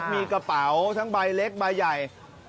มีกระเป๋าทั้งใบเล็กใบใหญ่